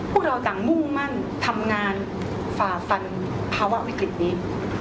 พวกเราต่างมุ่งมั่นทำงานฝ่าฟันภาวะวิกฤตนี้